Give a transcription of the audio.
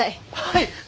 はい！